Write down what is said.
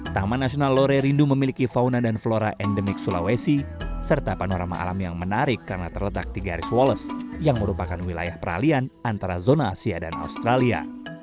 taman nasional lore rindu memiliki fauna dan flora endemik sulawesi serta panorama alam yang menarik karena terletak di garis walles yang merupakan wilayah peralian antara zona asia dan australia